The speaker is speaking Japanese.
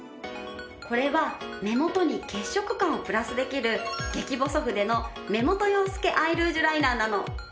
これは目元に血色感をプラスできる激細筆の目元用透けアイルージュライナーなの。